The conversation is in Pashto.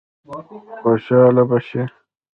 خوشاله به شي.